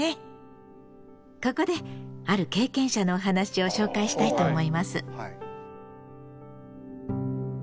ここである経験者のお話を紹介したいと思います。